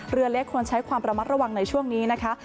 เรือเล็กควรใช้ความระมัดระวังในช่วงนี้นะคะ